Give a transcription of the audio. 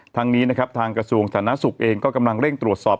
ทางนี้นะครับทางกระทรวงศาลนักศึกษ์เองก็กำลังเร่งตรวจสอบ